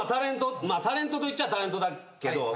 タレントといっちゃタレントだけど。